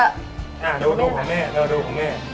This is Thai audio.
ดูของแม่ดูของแม่